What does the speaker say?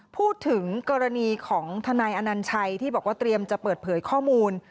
พูดถึงกรณีของทนายอนัญชัยที่บอกว่าเตรียมจะเปิดเผยข้อมูล